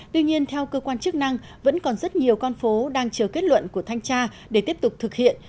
tuy nhiên theo cơ quan chức năng vẫn còn rất nhiều con phố đang chờ kết luận của thanh tra để tiếp tục thực hiện